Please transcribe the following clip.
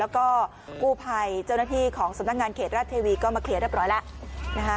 แล้วก็กู้ภัยเจ้าหน้าที่ของสำนักงานเขตราชทีวีก็มาเคลียร์ได้ปลอดภัยแล้ว